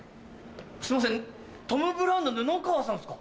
すいませんトム・ブラウンの布川さんすか？